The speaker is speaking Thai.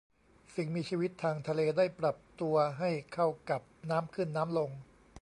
สิ่งมีชีวิตทางทะเลได้ปรับตัวให้เข้ากับน้ำขึ้นน้ำลง